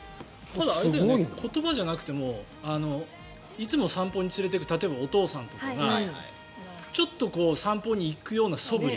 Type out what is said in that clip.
ただ、言葉じゃなくてもいつも散歩に連れていく例えば、お父さんとかがちょっと散歩に行くようなそぶり。